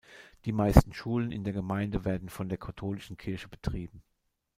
Die meisten Schulen in der Gemeinde werden von der katholischen Kirche betrieben.